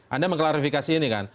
anda mengklarifikasi ini kan